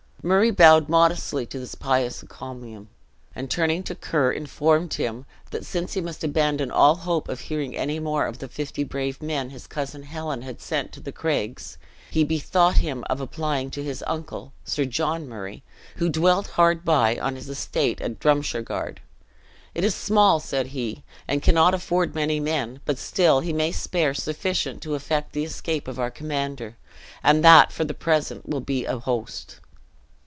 Murray bowed modestly to this pious encomium, and turning to Ker, informed him, that since he must abandon all hope of hearing any more of the fifty brave men his cousin Helen had sent to the craigs, he bethought him of applying to his uncle, Sir John Murray, who dwelt hard by, on his estate at Drumshargard. "It is small," said he, "and cannot afford many men; but still he may spare sufficient to effect the escape of our commander; and that for the present will be a host!"